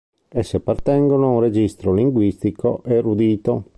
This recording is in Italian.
Esse appartengono a un registro linguistico erudito.